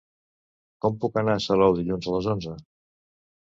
Com puc anar a Salou dilluns a les onze?